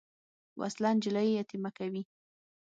وسله نجلۍ یتیمه کوي